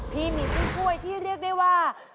พี่หมีช่วยที่เรียกได้ว่า